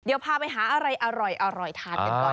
เดี๋ยวพาไปหาอะไรอร่อยทานกันก่อน